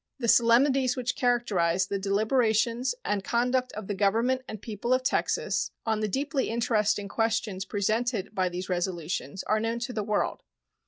The solemnities which characterized the deliberations and conduct of the Government and people of Texas on the deeply interesting questions presented by these resolutions are known to the world.